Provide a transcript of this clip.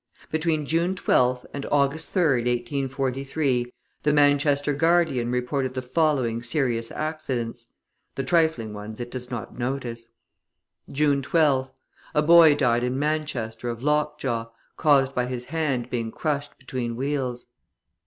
Between June 12th and August 3rd, 1843, the Manchester Guardian reported the following serious accidents (the trifling ones it does not notice): June 12th, a boy died in Manchester of lockjaw, caused by his hand being crushed between wheels.